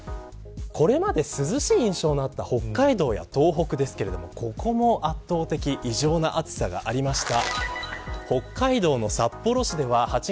これまで涼しい印象のあった北海道や東北ですけれどここも圧倒的異常な暑さがありました。